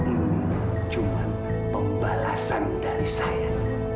ini cuma pembalasan dari saya